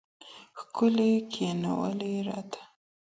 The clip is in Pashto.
ښكلي كښېـنولي راته